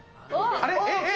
あれ？